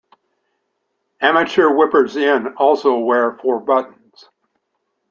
Amateur whippers-in also wear four buttons.